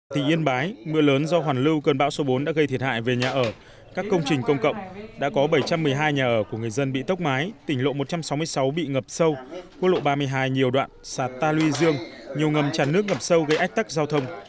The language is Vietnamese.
thị yên bái mưa lớn do hoàn lưu cơn bão số bốn đã gây thiệt hại về nhà ở các công trình công cộng đã có bảy trăm một mươi hai nhà ở của người dân bị tốc mái tỉnh lộ một trăm sáu mươi sáu bị ngập sâu quốc lộ ba mươi hai nhiều đoạn sạt ta luy dương nhiều ngầm tràn nước ngập sâu gây ách tắc giao thông